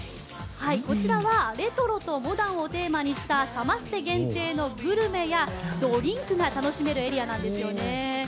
こちらはレトロとモダンをテーマにしたサマステ限定のグルメやドリンクが楽しめるエリアなんですよね。